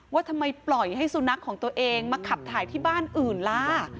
ว่าทำไมปล่อยให้สุนัขของตัวเองมาขับถ่ายที่บ้านอื่นล่ะ